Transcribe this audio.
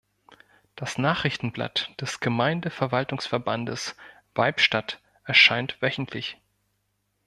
Das Nachrichtenblatt des Gemeindeverwaltungsverbandes Waibstadt erscheint wöchentlich.